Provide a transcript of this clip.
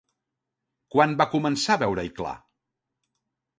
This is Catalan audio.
Quan va començar a veure-hi clar?